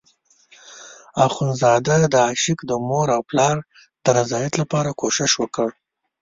اخندزاده د عاشق د مور او پلار د رضایت لپاره کوشش وکړ.